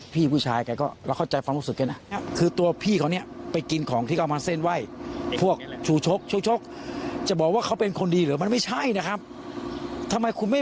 เพราะตัววิญญาณ